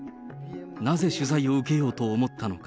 なぜ取材を受けようと思ったのか。